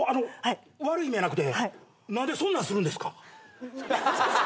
悪い意味やなくて何でそんなんするんですか？